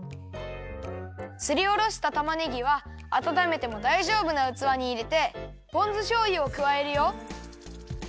すりおろしたたまねぎはあたためてもだいじょうぶなうつわにいれてポン酢しょうゆをくわえるよ。